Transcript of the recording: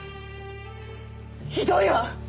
ひどいわ！